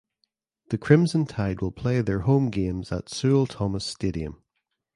The Crimson Tide will play their home games at Sewell–Thomas Stadium.